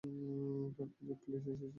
তোর খোঁজে পুলিশ এসেছিলো?